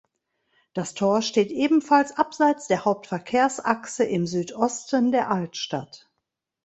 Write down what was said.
Das Tor steht ebenfalls abseits der Hauptverkehrsachse im Südosten der Altstadt.